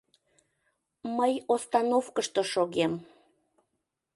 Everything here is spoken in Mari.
Мый остановкышто шогем —